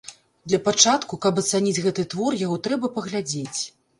Для пачатку, каб ацаніць гэты твор, яго трэба паглядзець.